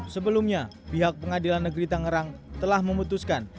sebelumnya pihak pengadilan negeri tangerang telah memutuskan